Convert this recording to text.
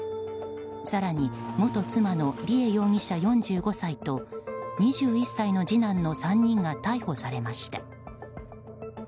更に、元妻の梨恵容疑者、４５歳と２１歳の次男の３人が逮捕されました。